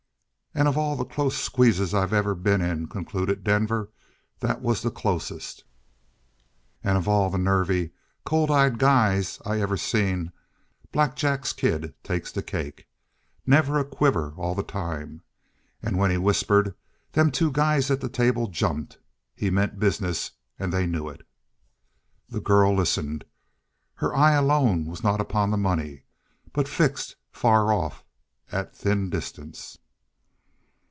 "And of all the close squeezes I ever been in," concluded Denver, "that was the closest. And of all the nervy, cold eyed guys I ever see, Black Jack's kid takes the cake. Never a quiver all the time. And when he whispered, them two guys at the table jumped. He meant business, and they knew it." The girl listened. Her eye alone was not upon the money, but fixed far off, at thin distance.